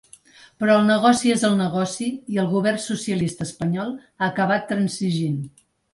Però el negoci és el negoci i el govern socialista espanyol ha acabat transigint.